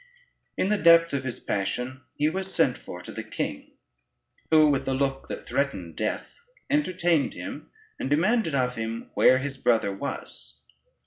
In the depth of his passion, he was sent for to the king, who with a look that threatened death entertained him, and demanded of him where his brother was.